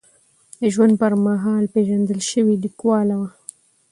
د ژوند پر مهال پېژندل شوې لیکواله وه.